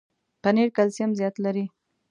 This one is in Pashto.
پنېر کلسیم زیات لري.